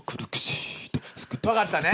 分かったね？